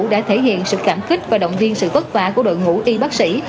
đã thể hiện sự cảm kích và động viên sự vất vả của đội ngũ y bác sĩ